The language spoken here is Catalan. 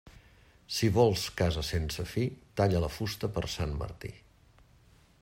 Si vols casa sense fi, talla la fusta per Sant Martí.